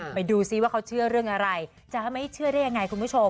ไปดูซิว่าเขาเชื่อเรื่องอะไรจะไม่เชื่อได้ยังไงคุณผู้ชม